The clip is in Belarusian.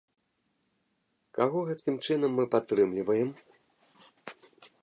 Каго гэткім чынам мы падтрымліваем?